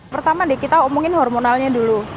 pertama deh kita omongin hormonalnya dulu